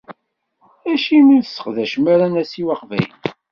Acimi ur sseqdacen ara anasiw aqbayli?